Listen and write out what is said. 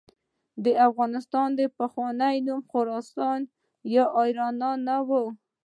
د افغانستان پخوانی نوم خراسان یا آریانا نه و.